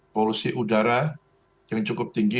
polusi udara yang cukup tinggi